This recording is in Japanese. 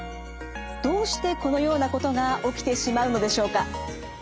どうしてこのようなことが起きてしまうのでしょうか？